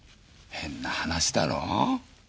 変な話だろう？